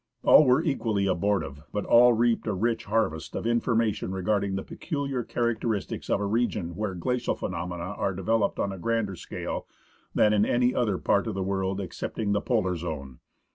All were equally abortive, but all reaped a rich harvest of information regarding the peculiar characteristics of a region where glacial phenomena are developed on a grander scale than in any other part of the world excepting the polar zone.